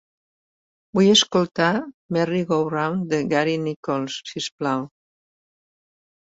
Vull escoltar Merry Go Round de Gary Nichols, si us plau.